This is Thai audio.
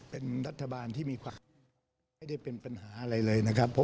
เป็นรัฐบาลที่มีความไม่ได้เป็นปัญหาอะไรเลยนะครับ